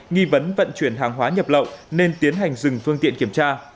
nghi vấn vận chuyển hàng hóa nhập lậu nên tiến hành dừng phương tiện kiểm tra